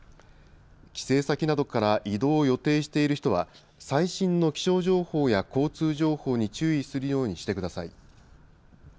帰省先などから移動を予定している人は最新の気象情報や交通情報に注意するようにしてください。